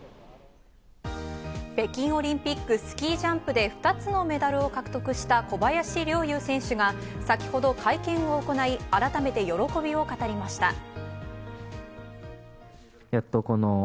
北京オリンピック、スキージャンプで２つのメダルを獲得した小林陵侑選手が先ほど会見を行い、改めて喜びを語りました。